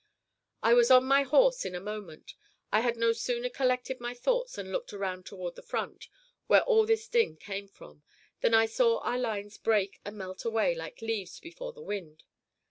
I was on my horse in a moment. I had no sooner collected my thoughts and looked around toward the front, where all this din came from, than I saw our lines break and melt away like leaves before the wind.